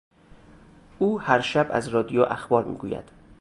او هر شب از رادیو اخبار میگوید.